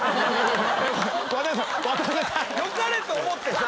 よかれと思ってさ。